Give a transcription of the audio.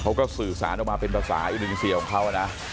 เขาก็สื่อสารออกมาเป็นภาษาอินโดนีเซียของเขานะ